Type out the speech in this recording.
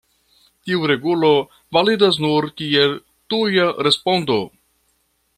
Tiu regulo validas nur kiel tuja respondo.